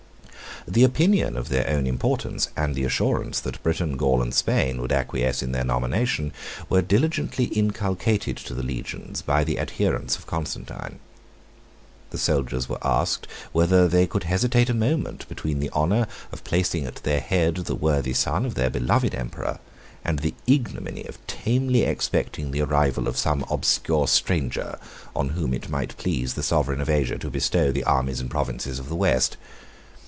15 The opinion of their own importance, and the assurance that Britain, Gaul, and Spain would acquiesce in their nomination, were diligently inculcated to the legions by the adherents of Constantine. The soldiers were asked, whether they could hesitate a moment between the honor of placing at their head the worthy son of their beloved emperor, and the ignominy of tamely expecting the arrival of some obscure stranger, on whom it might please the sovereign of Asia to bestow the armies and provinces of the West.